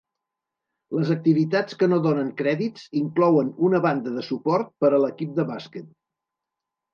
Les activitats que no donen crèdits inclouen una banda de suport per a l'equip de bàsquet.